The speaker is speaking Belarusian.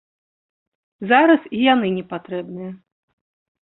Зараз і яны не патрэбныя.